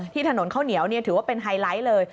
ถนนข้าวเหนียวถือว่าเป็นไฮไลท์เลย